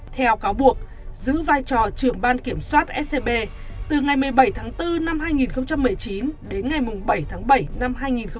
theo cáo buộc giữ vai trò trưởng ban kiểm soát scb từ ngày một mươi bảy tháng bốn năm hai nghìn một mươi chín đến ngày bảy tháng bảy năm hai nghìn hai mươi